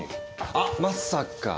あまさか。